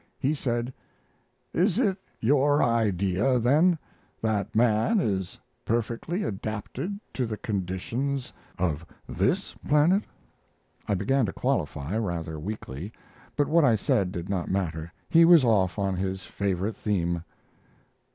He said: "Is it your idea, then, that man is perfectly adapted to the conditions of this planet?" I began to qualify, rather weakly; but what I said did not matter. He was off on his favorite theme.